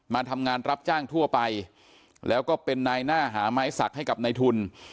มาทำงานรับจ้างทั่วไปแล้วก็เป็นนายหน้าหาไม้สักให้กับนายทุน